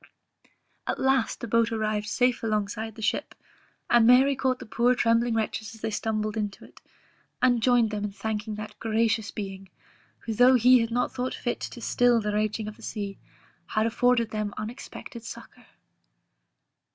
At last the boat arrived safe along side the ship, and Mary caught the poor trembling wretches as they stumbled into it, and joined them in thanking that gracious Being, who though He had not thought fit to still the raging of the sea, had afforded them unexpected succour.